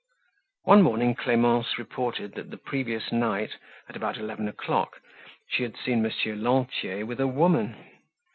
One morning Clemence reported that the previous night, at about eleven o'clock, she had seen Monsieur Lantier with a woman.